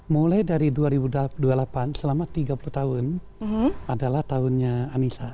mulai dari dua ribu dua puluh delapan selama tiga puluh tahun adalah tahunnya anissa